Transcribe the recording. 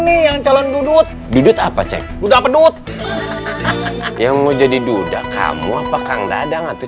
nih yang calon dudut dudut apa cek udah pedut yang mau jadi duda kamu apa kang dadang atau